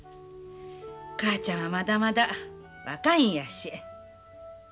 母ちゃんはまだまだ若いんやし。